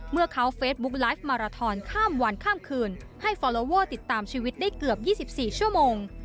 เมื่อเขาเฟซบุ๊กไลฟ์มาราทอนข้ามวันข้ามคืนให้ฟอลลอเวอร์ติดตามชีวิตได้เกือบ๒๔ชั่วโมง